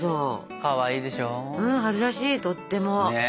うん春らしいとっても。